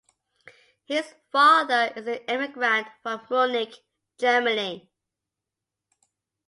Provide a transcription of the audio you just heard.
His father is an immigrant from Munich, Germany.